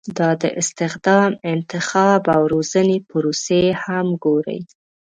دا د استخدام، انتخاب او روزنې پروسې هم ګوري.